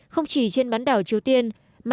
không chỉ trên bán đảo triều tiên